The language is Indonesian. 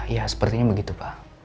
ya sepertinya begitu pak